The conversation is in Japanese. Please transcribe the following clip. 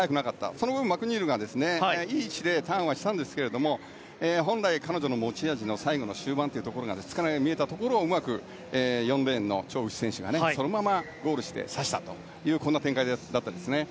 その分、マクニールがいい位置でターンはしたんですが本来、彼女の持ち味の最後の終盤というところで疲れたように見えたところをチョウ・ウヒ選手がそのままゴールして差した展開ですね。